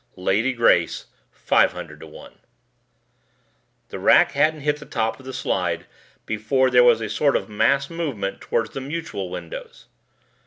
Lady Grace 500:1 The rack hadn't hit the top of the slide before there was a sort of mass movement towards the mutuel windows.